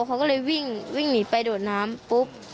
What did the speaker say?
เขาก็เลยวิ่งหนีไปโดดน้ำปุ๊บ